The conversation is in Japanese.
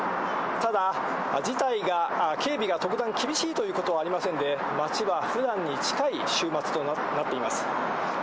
ただ、事態が、警備が特段、厳しいということはありませんで、街はふだんに近い週末となっています。